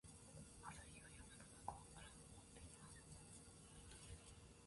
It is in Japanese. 朝日が山の向こうから昇ってきました。